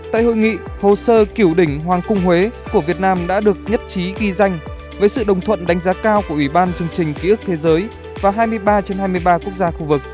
tại hội nghị hồ sơ kiểu đỉnh hoàng cung huế của việt nam đã được nhất trí ghi danh với sự đồng thuận đánh giá cao của ủy ban chương trình ký ức thế giới và hai mươi ba trên hai mươi ba quốc gia khu vực